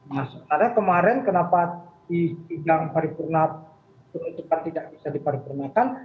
karena kemarin kenapa di sidang paripurna penuntukan tidak bisa diparipurnakan